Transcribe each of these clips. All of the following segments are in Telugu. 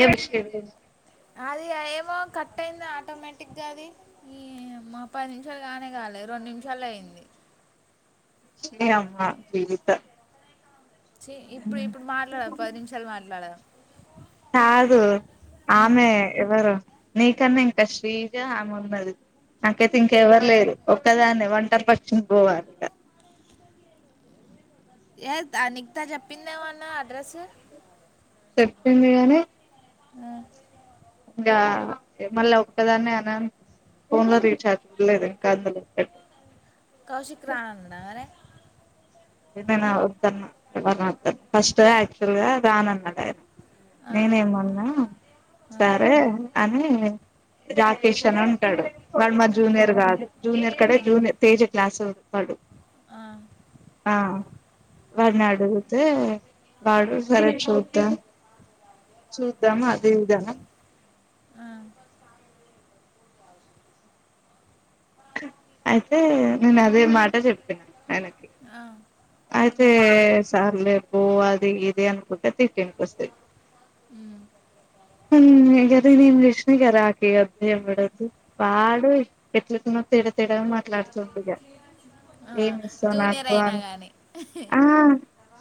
ఏంషవ మో కట్ అయింది ఆటోమేటిక్గా అది ఈ మా పది నిమిషాలు కాగానే కాలి రెండు నిమిషాల అయింది ని అమ్మా జీవిత చె ఇప్పుడు ఇప్పుడు మాట్లాడాలదు పది నిమిషాలు మాట్లాడాల కాధు ఉమ్. ఆమె ఎవరు నీకన్నా ఇంకా శ్రీజ ఆమె ఉన్నది నాకైతే ఇంకెవరు లేదు ఒక్కదాన్న వంటరి పక్షని పోవాలి ఇకా ఎ అనిగతా చెప్పిందేమన్నా అడ్రస్ సెప్టెం మీనే ఆ ఇంకా మళ్ళీ ఒక్కదాన్ని అన ఫోన్ లో రీచార్జ్ చడలేదు ఇంకా అందులో పెటి కౌశిక్ రానందన్నా అర నేనుద్దాను ఎ వద్దాను ఫస్ట్ గా యాక్చువల్ గా రానన్నాడు ఆయన ఆ, నేనేమన్నా ఆ, సరే అని రాత్ర షన్ ఉంటాడు వాడు మా ఆ, జూనియర్ కాదు జూనియర్ కడే ఆ, జూనియర్ తేజ క్లాసు వాడు ఆ, ఆ ఆ, వాడిని అడుగుతే వాడు సర చూద్దా చూదము అదే విధానం ఆ, అయితే నేను అదే మాట చెప్తినను ఆయనకి ఆ, అయితే సార్లే పో అది ఇద అనుకుంటే తీరి అనికొస్తాది ఉ కదా నేను ఇంగ్లీష్ని కద ఆక కదు ఎవడదు వాడు ఎట్ల తన్న తిడ తడాగా మాట్లాడుతుూంది కద ఆ. ఏమి జూనియర్ నాకు అయినా అంత కానీ ఆ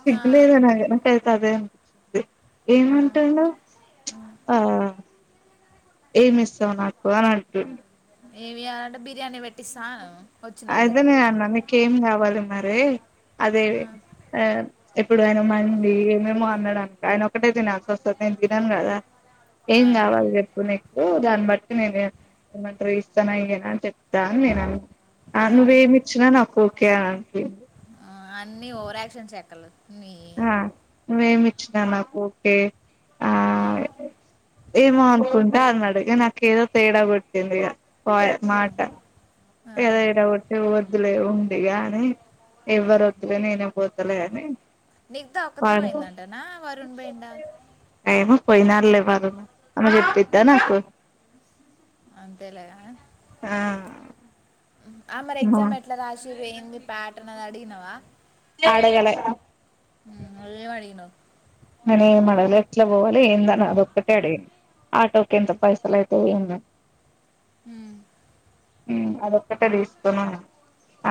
సిగలేద నానకైతు అదే అంత ఏమంటుండు ఆ ఏమి ఇస్తావు నాకు అని అంటు ఏమియాలంటే బిర్యానీ పెట్టిస్తాను అదే వచ్చినందుకు నేను అన్న నీకేం కావాలి అ అదే ఆ, ఆ ఇప్పుడు ఆయన మండి ఏమేమో అన్నాడు అంట, ఆయన ఒకటే తినాల్సి వస్తుంది నేను తినను కదా ఆ, ఏం కావాలి చెప్పు నీకు దాన్ని బట్టి నేను ఎ ఏమంటారు ఇస్తాన ఏనా చెప్తా అని నేను అ ఆ నువ్వేమి ఇచ్చినా నాకు ఓకే అనికి అల ఆ నువ్వేమి ఇచ్చినా నాకు ఓకే ఆ ఏమో అనుకు నాడుగ నా కేద తేడాబడ్తంద ఇగా పోయ ఆ, మాట ఆ. ఏద ఇద ఉటి ఒద్దు లే దిగా అని ఎవ్వరు వద్దులే నేనే పోతలే అని నిగ్ధ ఒక్కదే వాడు పోయిందంటేనా వరుణ్ పోయిండ మారు అ పెద్ద నాకు అంతేలా ఆ అమరి ఎగ్జామ్ ఎట్లా రా వేయింది ప్యాటర్న్ అది అడిగినవా ఆడుగల మ్ ల్ ఏమడిగానవ్ నన మాల ఎట్ల పోవాలి ఇందనా అదక్కట్ట అడి ఆటోకి ఎంత పైసలయితు ఇంద మ్ మ్ అదొక్కటే తీసుకోన్నా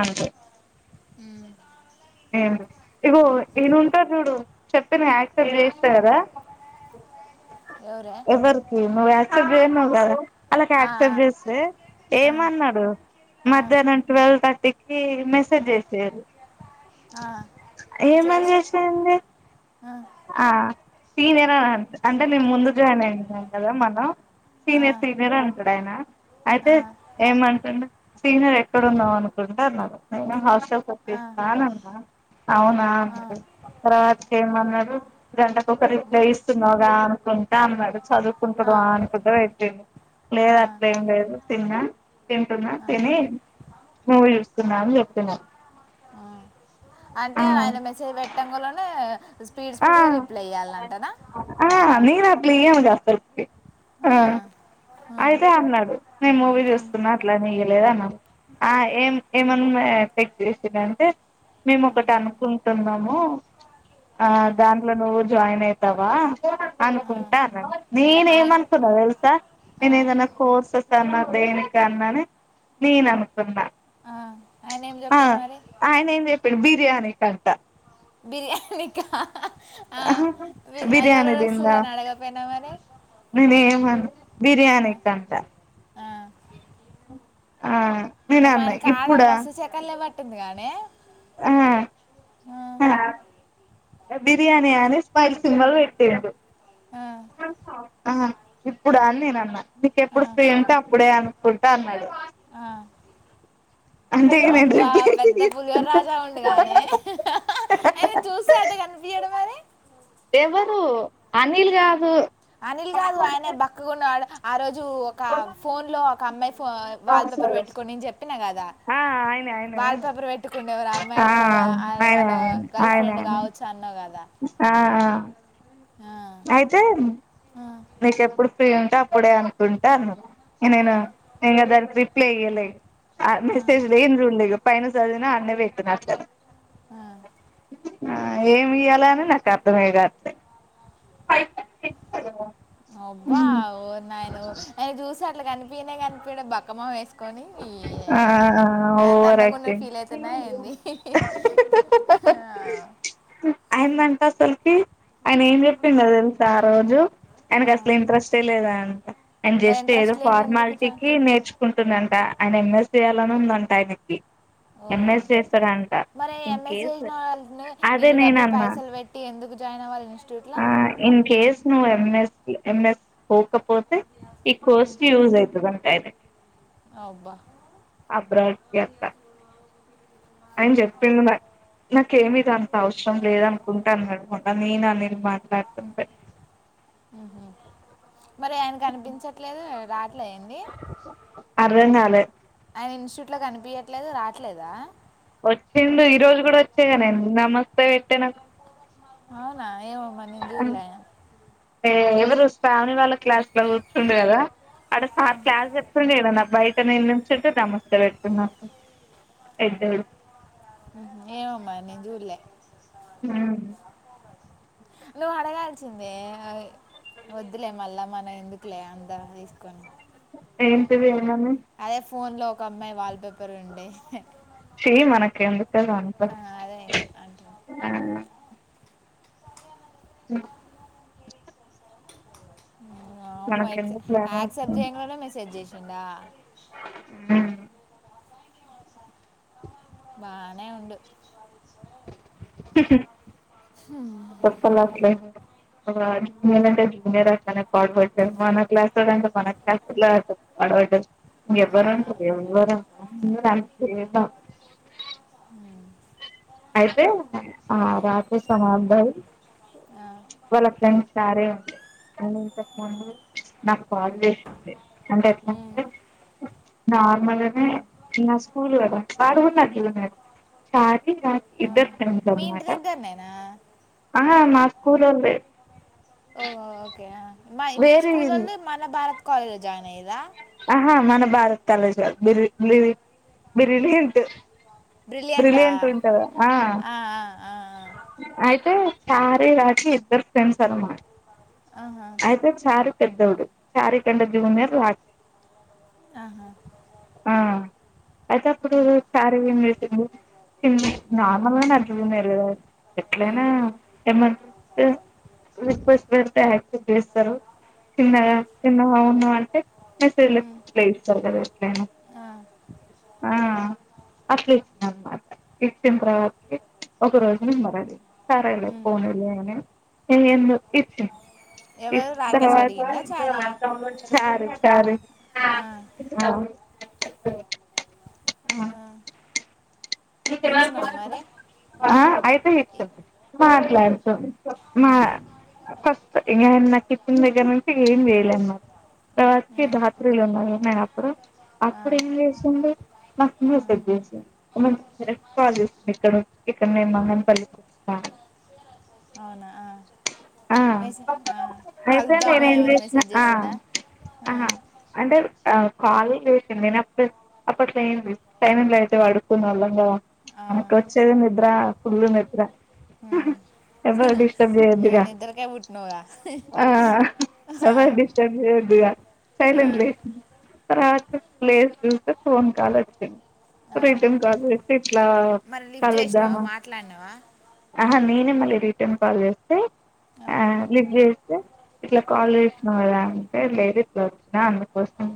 అంతే మ్ ఇగో ఏనుంటారు చూడు చెప్పను యాక్ క్లీన్ చేస్తానర ఎవరే ఎవరికి నువ్ యాక్సెప్ట్ చేయ నువ్వు కదా, అలాకి ఆ, యాక్సెప్ట్ చేస్తే ఆ, ఏమన్నాడు, ఆ, ఆ, మధ్యాహ్నం ట్వెల్వ్ థర్టీకి మెసేజ్ చేసిరు ఆ. ఏమని చేసి చేసయండి ఆ, సీనియర్ అంత అంటే నేను ముందు జాయిన్ అయిను కదా మనం, ఆ, సీనియర్ సీనియర్ అంటాడు ఆయన ఆ, అయితే ఏమంటుడు సీనియర్ ఎక్కడన్నావు అనుకుంటే నాకుస్ ఆ, చ్చేస్తానన్నా అవునా ఆ, అన్నారు తర్వాత ఉమ్, ఏమన్నా గంటకొ ఒక రిప్లై ఇస్తున్నావుగా అనుకుంటే అన్నాడు, ఆ, చదువుకుంటుడు అనుకుంట వెట్ లేదు ఆ, అట్లే ఏం లేదు ఎన తింటున్నా ఆ, తేనే మూవి చు న్నాను చెప్తున్నా అంటే ఆయన మెసేజ్ పెట్టంగనే స్పీడ్ ఆ స్పీడ్గా రిప్లై ఇయ్యాలంటనా ముజఫరకి ఆ ఆ, అయితే అన్నాడు నేను మూవీ ఉమ్, చూస్తున్నా అట్లానే లేదా మ ఆ ఏం ఏమన్నా పెక్ చేసిందంటే మేము ఉమ్, ఒకటి అనుకుంటాం తందాము ఆ ఉమ్, దాంట్లో నువ్వు జాయిన్ అయితవా ఆ. అనుకుంటా అన్నా నేనే ఏ ఏమనుకున్నా తెలుసా ఆ, నేను ఏదన్నా కోర్సెస్ అన్నా దేనికన్నా నీ అనుకుందా ఆ. ఆయన ఏం ఆ చెప్పిండు మరి ఆయన ఏం చెప్పాడు బి బయానే కంట బిర్యానీక బిర్యాని దింద వస్తుంది అని అడగపోయినా మరి నేను ఏమి ఆ, బిర్యాని కంత ఆ. ఆ నేను అన్నా ఓమాయన కా ఆడ ఇప్పుడా మ సూచక్కలు లే పట్టింది గానీ ఆ ఆ బిర్యానీను స్పైల్సింగ కట్టటిదు ఆ, ఆ ఇప్పుడ అనీ నేన అన్న ఆ, మీకెప్పుడు ఫ్రీ ఉంటే అప్పుడే కుుంటా అన్నాడు ఆ అంటే ఇగ నేను అబ్బా రిప్లై పెద్ద పులిహోర రాజా ఉండుగానే అయన చూస్తే అట కనిపియ్యాడు మరి అనిల్గాదు అనిల్ కాదు ఆయనే బక్కకున్నాడు ఆ రోజు ఒక ఫోన్ లో కమ్ వాల్ పేపర్ పెట్టుకోని అని చెప్పినా కదా ఆ ఆయనే ఆయనే వాల్ ఆయనే పేపర్ పెట్టుకుండేవరు ఆ అమ్మాయింట నువ్ ఆయనే వాళ్ళ ఆయనే గర్ల్ ఆయనే ఫ్రెండ్ ఆయనే కావచ్చు అన్నావు కదా ఆ ఆ, ఆయితే ఆ, న చెప్పుడు ఉంటే అప్పుడే అనుకుంటాను ఆ, ఇనేనా ఇం [unintelligible] రీప్లే ఇయ్యలే ఆ మెసేజ్ లేని చూడ్లే ఇగ పైన చదివినా అన్నే పెట్టిన అట్ల ఆ ఆ ఏమి ఇయ్యాల అని నాకు అర్థమే కాట్లే అబ్బా ఓరి నాయనో ఏ చూ అట్ల కని కన్పియనే కన్పియడు బక్క మొహం ఏసుకొని ఆ ఆ అదంత ఓవర్ అందంగుంనట్ యాక్టింగ్ ఫీల్ అయితున్నా ఏంది ఆ అసల్కి ఆయనా ఏం చెప్పిండో తెల్సా ఆ రోజు ఆ. ఆయనకు అసల్ ఇంట్రెస్టే లేదా అంట ఆడ్ మరి జస్ట్ ఏదో ఇంట్రెస్ట్ లేని ఎందుకు ఫార్మాలిటీ జాన్ టికి నేర్చుకుంటుందంట ఆయన ఎంఎస్ చేయ్యాలనుందంట ఆయనకి ఓ ఎంఎస్ చేస్తాడంట మరి ఇన్ ఎంఎస్ కేస్ చేసిన వాళ్ళని అదే ఇన్ని డబ్బులు నేనన్న పైసలు పెట్టి ఎందుకు జాయిన్ అవ్వాలి ఇన్స్టిట్యూట్లో ఆ ఇన్ కేసు నువ్వు ఎంఎస్ ఏంఏస్ కాకపోతే ఈ కోర్సు యూజ్ అయి అయితే అబ్బా అబ్రాట్కి అక్క అన్ చెప్పిండు మ కేమి దానిక్ అవసరం లేదనుకుంట అన్నడు. మొన్న నేను అనిల్ మాట్లాడ్తుంటే మరి ఆయన్ కనిపించట్లేదు రాత్ [inaudible] అర్థం కాలే ఇన్స్టిట్యూట్ ఇట్ల కనిపీయట్లేదు రాట్లేదా వచ్చిండు ఈ రోజు గుడా వచ్ నమస్తే వెట్టేనాకు అవునా ఏమో మరి నేన్ చూడ్లే ఏ ఎవరు శ్రావణి వాళ్ళ క్లాస్లో కూర్చుండు కదా అడ సార్ ఆ. క్లాస్ చెప్తుండు ఇడ బయట నిందించట్ట నమస్తే పెట్టుకున్నా పెద్దోడు ఏమో అమ్మాయి నేన్ జూలే హ్మ్ నువ్వు అడగాల్సిందే వద్దులే మళ్ళ మనం ఎందుకులే అంతా తీసుకొని ఏంటిది ఏమనీ అదే ఫోన్లో ఒక అమ్మాయి వాల్పే ర్ ఉండే ఛీ మనకెందుకు అది అంతా ఆ అదే అంట ఆ [inaudible] మనకెందుకు లేరా యాక్సెప్ట్ [inaudible] మెసేజ్ చే ెండా అ బానే ఉడు సప్పలాల జూనియర్ అంటే జూనియర్ అస్తనే పాడపడ్డారు మన క్లాస్ అంటే మన క్లాస్లా పాడపడ్డారు ఇం ఆ, ఎవ్వరు ఉంటారు ఎవరు అంట ఉమ్, అయితే ఆ రాత్రి సాభ ఆ, వాళ్ళక్క సారే ఉ అంతప్ప మ నాకు కాల్ చేసింది అంటే ఎట్లా ఉమ్, నార్మల్నే ఆ, నా స్కూల్ కద పాడుగున్నట్న్నారు చాటి ఆ. ఇద్ద మీ ఇంటి అన్నమాట దగ్గరనేనా కురుంది ఓ ఓకే మీ ఇది స్కూల్ల్లో మన భారత కాాలజ జయిన్య్యదు ఆహా మన భారత్ తాల చల్ బిరి బి బిర్యానీ ఉంట బ్రిలియంటా బ్రిలియంట్ ఉంటంది ఆ ఆ ఆ అయితే సారే రాత్ర ఇద్దరు ఫ్రెండ్స్ అలా మ ఆ ఆహా అయితే సార్ పెద్దడు చారిఖండ జూనియర్ రా ఆహా ఆ అయితే అప్పుడు శారీ ఏమిచేసింది చిన్న నార్మల్గా నజదు ఎట్లైనా ఉమ్, ఎమర్జెన్సీ రిక్వెస్ట్ యాక్సెప్ట్ చేస్తరు చిన్న ఉమ్, చిన్నవవును అంటే ఉమ్, చేస్తారు కదా ఎట్లైన ఆ, ఆ అట్లు ఇచ్చినన్నమాట ఇచినా తర్వాత ఒక ఉమ్, రోజు ను మరిాల సరేలే ఉమ్. ఫోన్ లేగాని ఏ ఎందు ఇచ్చి ఎవరు రాకేష్ ఇస్తారా అడిగిందా చారియా ఆ, ఆ ఇచ్చినావా మరి ఆ ఇ- అయిపేయిచింది ఆ, మాట్లాడుతాం ఆ, మా ఫస్ట్ ఇంగ నా కిచెన్ దగ్గర నుంచి ఏం చేయ్యలే అన్నారు తవాతకి ఆ, ధాత్రీలు ఉన్నా నేను అప్పుడు ఆ, అప్పుడు ఏం చేసింది నాకు ఆ. మెసేజ్ చేసింది [unintelligible] క్కడ ఇక్కడ నేను మదనపల్లికి వచ్చినాక అవునా ఆ ఆ మెసేజ్ ఆ. అయితే కలుద్దామని నేనేం ఏమైనా చేసిన మెసేజ్ ఆ చేసిందా ఆ అంటే కాలే చేసింది నేను అప్ అప్పట్లో ఏంది సైలెంట్లో ఏసి పడుకునే వాళ్ళం కదా ఆ, మనకి వచ్చేదే నిద్ర ఫుల్ నిద్రా ఉ చేయొద్దు ఇగ ఆ ఆ ఆ, ఎవర్ డిస్టర్బ్ చేయొద్దు ఇగ ఆ. సర్లే రాక ప్లేస్ చూస్తే ఫోన్ కాల్ వచ్చింది ఆ, ప్రీతమ్ కాలజ్ ఇట్లా మరి లిఫ్ట్ చేసినావా కలుద్దామా మాట్లాడినావా అహా నే నీ మళ్ళీ రిటర్న్ కాల్ చేస్ తే ఆ లిఫ్ట్ చేస్తే ఇట్లా కాల్ చేసిన కదా అంటే లేదు ఇట్లా వచ్చిన అందుకోసం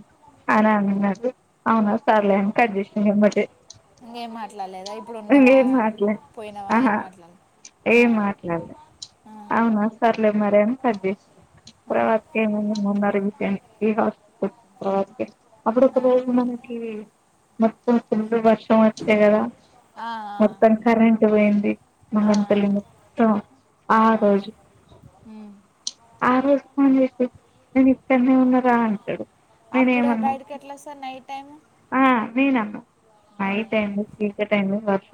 అని అన్నారు అవునా సార్లే అని కట్ చేసిన వెంబటే ఇంకేం మాట్లాడలేదా ఇప్పుడు ఉన్నవా మాట్లా పోయినవా ఏం ఆహా మాట్లా ఏం మాట్లాడలే ఆ ఆ, అవునా సర్లే మరేం కట్ చేసి ఇప్పుడు వర్క్ ఆ, ఏం ఉంది మొన్న రీసెంట్ ఈ హాస్ [inaudible] వచ్చిన తర్వాతకే అప్పుడ ఆ, ఒకరోజు ఉన్నానంటివి మొత్తం ఫుల్లు వర్ష మొత్తం వచ్చా కదా ఆ, మొత్తం ఆ, కరెంట్ పోయింది ఆ, మదనపల్లి మొత్తం ఆ రోజు ఉమ్. ఆ రోజు ఫోన్ చేసి నేను ఇక్కడనే ఉన్న రా అంటాడు నేను అప్పుడే ఏమన్నా బయటకు ఎట్లా వస్తారు నైట్ టైం ఆ నేను అన్నా ఆ, నైట్ అయ్యింది చీకటి అయ్యింది వర్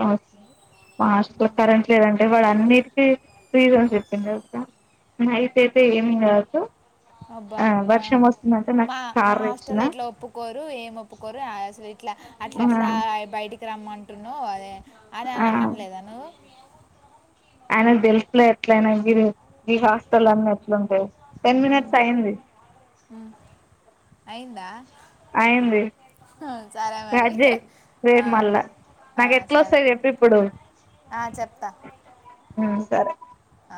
మా హాస్టల్లో కరంట్ లేదంటే వాడున్నిటికీ రీసన్ చెప్పింది అక్క నైట్ అయితే ఏమి కాదు అబ్బా ఆ వర్షం వస్తుందంటే నాకు మా మా కార్ ఇచ్చిన హాస్టల్లో ఈట్లా ఒప్పుకోరు ఏం ఒప్పుకోరు అసలు ఇట్లా అట్లా ఆ ఎట్లా బయటి రమ్మంటున్నావ్ అదే అదే ఆ అనలేదా నువ్వు అయినకు తెలుసులే ఎట్లయినా [inaudible] ఈ హాస్టల్ అన్ని ఎట్లుంటాయొ ఉం ఉం అయిందా అయింది సరే మరి అదే ఆ, రేపు మళ్ళా ఆ, మరి ఎట్లా సరే వస్తాది చెప్పు ఇప్పుడు ఆ, చెప్తా సరే ఆ